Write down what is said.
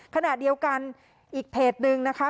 ขณะเดียวกันอีกเพจนึงนะคะ